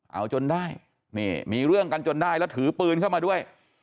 เอาจนได้นี่มีเรื่องกันจนได้แล้วถือปืนเข้ามาด้วย